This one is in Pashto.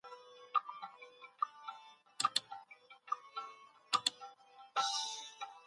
کمې اوبه او ډېر حاصل د دې ځانګړتیا ده.